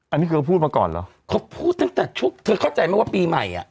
อันนี้เธอพูดมาก่อนเหรอเขาพูดตั้งแต่ช่วงเธอเข้าใจไหมว่าปีใหม่อ่ะ